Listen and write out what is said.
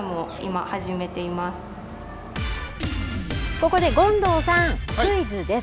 ここで権藤さん、クイズです。